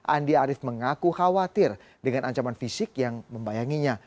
andi arief mengaku khawatir dengan ancaman fisik yang membayanginya